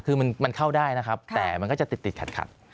คือมันเข้าได้นะครับแต่มันก็จะติดขัด